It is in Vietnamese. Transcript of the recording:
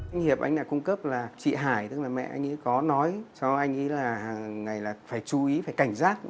anh hiệp anh đã cung cấp là chị hải tức là mẹ anh ý có nói cho anh ý là hằng ngày là phải chú ý phải cảnh giác